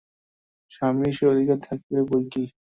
স্বামীর সে অধিকার থাকিবে বই কি!